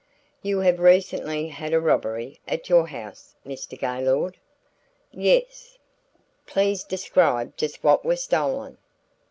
"You have recently had a robbery at your house, Mr. Gaylord?" "Yes." "Please describe just what was stolen."